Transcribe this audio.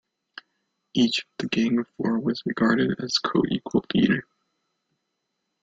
Each of the Gang of Four was regarded as coequal leader.